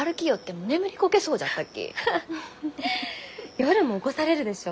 夜も起こされるでしょ？